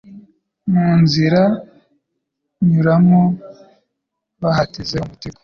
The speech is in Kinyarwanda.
Mu nzira nyuramo bahateze umutego